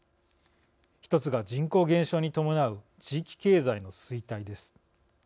１つが人口減少に伴う地域経済の衰退です。